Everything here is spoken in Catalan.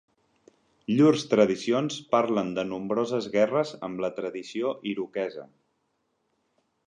Llurs tradicions parlen de nombroses guerres amb la tradició iroquesa.